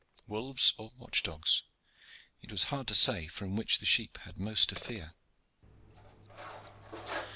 Wolves or watch dogs, it was hard to say from which the sheep had most to fear.